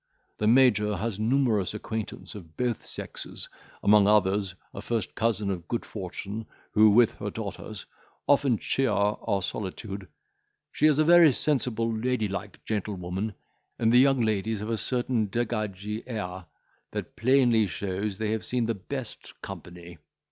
The major has a numerous acquaintance of both sexes; among others, a first cousin of good fortune, who, with her daughters, often cheer our solitude; she is a very sensible ladylike gentlewoman, and the young ladies have a certain degagee air, that plainly shows they have seen the best company.